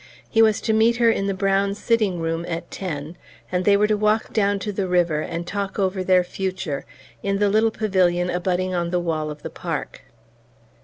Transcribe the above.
He was to meet her in the brown sitting room at ten, and they were to walk down to the river and talk over their future in the little pavilion abutting on the wall of the park.